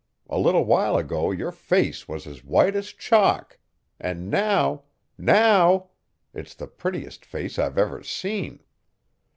A little while ago your face was as white as chalk, and now now it's the prettiest face I've ever seen.